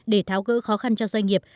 để tháo gỡ khó khăn cho doanh nghiệp